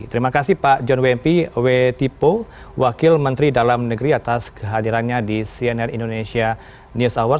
terima kasih pak john wempi w tipo wakil menteri dalam negeri atas kehadirannya di cnn indonesia news hour